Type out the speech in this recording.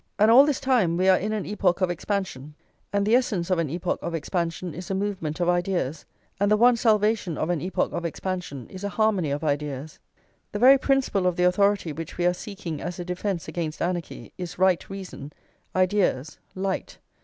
And all this time, we are in an epoch of expansion; and the essence of an epoch of expansion is a movement of ideas, and the one salvation of an epoch of expansion is a harmony of ideas. The very principle of the authority which we are seeking as a defence against anarchy is right reason, ideas, light.